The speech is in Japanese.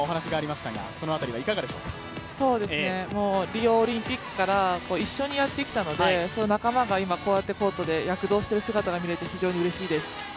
リオオリンピックから一緒にやってきたので、仲間がこうやってコートで躍動している姿が見れて非常にうれしいです。